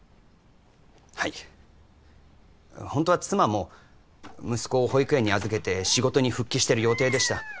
はいホントは妻も息子を保育園に預けて仕事に復帰してる予定でした